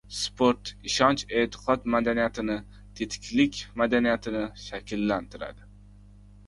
Sport ishonch-e’tiqod madaniyatini, tetiklik madaniyatini shakllantiradi.